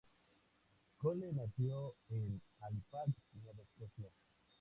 Cole nació en Halifax, Nueva Escocia.